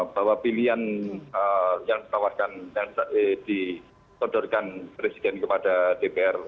bahwa pilihan yang disodorkan presiden kepada dpr